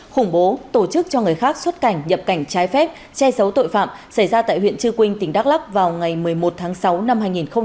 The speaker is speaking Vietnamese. khủng bố tổ chức cho người khác xuất cảnh nhập cảnh trái phép che giấu tội phạm xảy ra tại huyện trư quynh tỉnh đắk lắc vào ngày một mươi một tháng sáu năm hai nghìn hai mươi ba